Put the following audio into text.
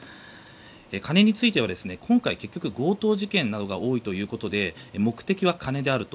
金については今回、結局強盗事件などが多いということで目的は金であると。